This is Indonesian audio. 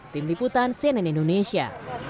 tim liputan cnn indonesia